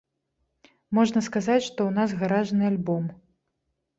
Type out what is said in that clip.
Можна сказаць, што ў нас гаражны альбом.